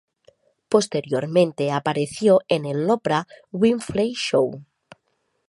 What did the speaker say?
Posteriormente apareció en el Oprah Winfrey Show.